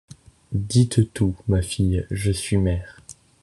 Dites tout, ma fille, je suis mère.